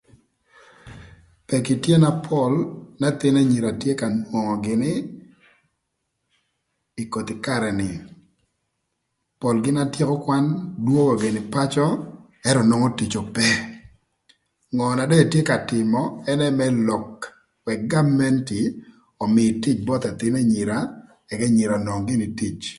Peki tye na pol n'ëthïn enyira tye ka nwongo gïnï ï koth karë ni polgï na tyeko kwan dwongo gïnï pacö ökö ëntö nwongo tic ope. Ngö na dong etye ka tïmö ënë më lok ëk gamenti ömïï tic both ëthïn anyira ëk enyira onwong gïnï tic.